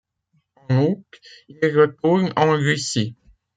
En août, il retourne en Russie.